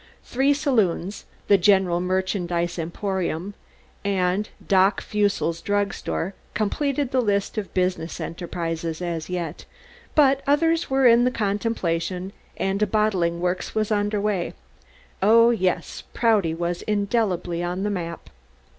Three saloons, the General Merchandise Emporium, and "Doc" Fussel's drug store completed the list of business enterprises as yet, but others were in contemplation and a bottling works was underway. Oh, yes, Prouty was indelibly on the map.